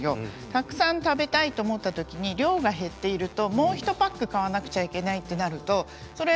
たくさん食べたいと思った時に量が減っているともう１パック買わないといけなくなります。